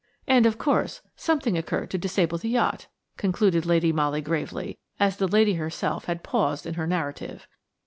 "And, of course, something occurred to disable the yacht," concluded Lady Molly gravely, as the lady herself had paused in her narrative.